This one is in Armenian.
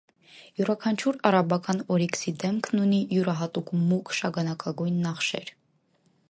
Յուրաքանչյուր արաբական օրիքսի դեմքն ունի յուրահատուկ մուգ շագանակագույն նախշեր։